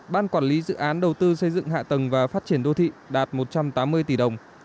ban quản lý dự án đầu tư xây dựng hạ tầng và phát triển đô thị đạt một trăm tám mươi tỷ đồng